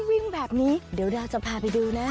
วิ่งแบบนี้เดี๋ยวเราจะพาไปดูนะ